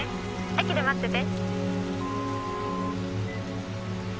☎「駅で待ってて」